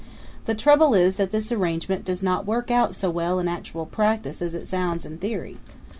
The trouble is that this arrangement does not work out so well in actual practice as it sounds in theory.